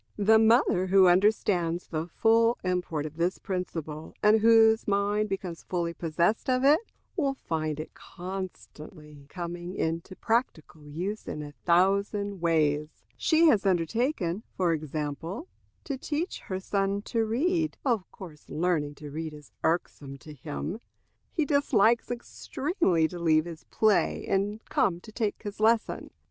The mother who understands the full import of this principle, and whose mind becomes fully possessed of it, will find it constantly coming into practical use in a thousand ways. She has undertaken, for example, to teach her little son to read. Of course learning to read is irksome to him. He dislikes extremely to leave his play and come to take his lesson.